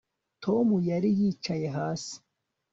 Tom yari yicaye hasi